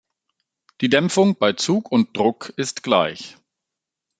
Die Dämpfung bei Zug und Druck ist gleich.